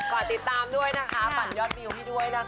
ขอติดตามด้วยนะคะฝั่นยอดดีของพี่ด้วยนะคะ